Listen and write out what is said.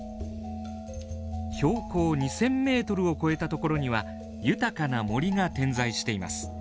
標高２，０００メートルを超えた所には豊かな森が点在しています。